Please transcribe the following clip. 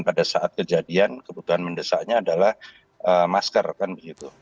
pada saat kejadian kebutuhan mendesaknya adalah masker kan begitu